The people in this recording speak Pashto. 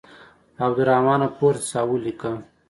عبدالرحمانه پورته شه او ولیکه.